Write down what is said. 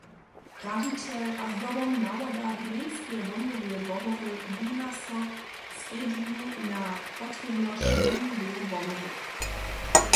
Radźićel a zdobom nawoda gmejnskeje wohnjoweje wobory Gunna Sock skedźbni na potrěbnosć wohnjoweje wobory.